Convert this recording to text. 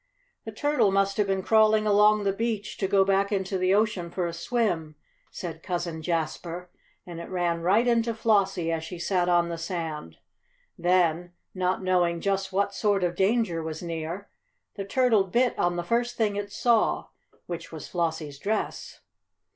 "The turtle must have been crawling along the beach, to go back into the ocean for a swim," said Cousin Jasper, "and it ran right into Flossie as she sat on the sand. Then, not knowing just what sort of danger was near, the turtle bit on the first thing it saw, which was Flossie's dress."